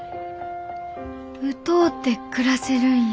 歌うて暮らせるんや。